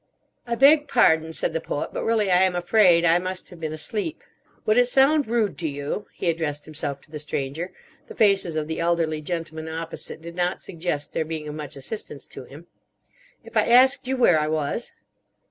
"I beg pardon," said the Poet, "but really I am afraid I must have been asleep. Would it sound rude to you"—he addressed himself to the Stranger: the faces of the elderly gentlemen opposite did not suggest their being of much assistance to him—"if I asked you where I was?"